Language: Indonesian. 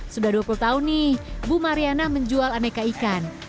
sudah dua puluh tahun nih bu mariana menjual aneka ikan